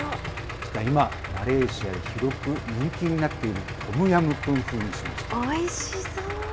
今、マレーシアで広く人気になっているトムヤムクン風にしました。